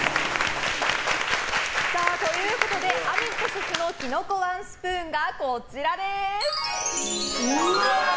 アミットシェフのキノコワンスプーンがこちらです。